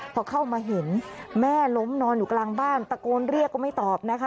พอเข้ามาเห็นแม่ล้มนอนอยู่กลางบ้านตะโกนเรียกก็ไม่ตอบนะคะ